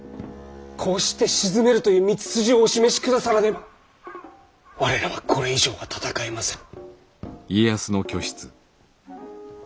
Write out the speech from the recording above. こうして鎮めるという道筋をお示しくださらねば我らはこれ以上は戦えませぬ。